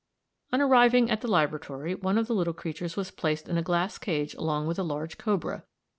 On arriving at the laboratory, one of these little creatures was placed in a glass cage along with a large cobra.